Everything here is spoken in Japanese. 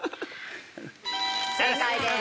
正解です。